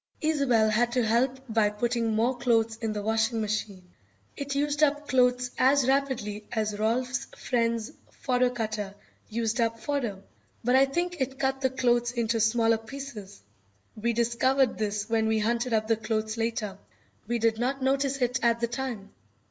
Isobel had to help by putting more clothes in the washing machine. It used up clothes as rapidly as Rolf's friend's fodder cutter used up fodder, but I think it cut the clothes into smaller pieces. We discovered this when we hunted up the clothes later. We did not notice it at the time.